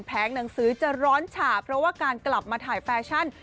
หนังสือจะร้อนฉ่าเพราะว่าการกลับมาถ่ายแฟชั่น